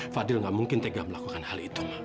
fadil nggak mungkin tega melakukan hal itu ma